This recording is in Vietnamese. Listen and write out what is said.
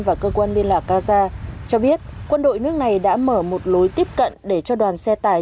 và cơ quan liên lạc gaza cho biết quân đội nước này đã mở một lối tiếp cận để cho đoàn xe tải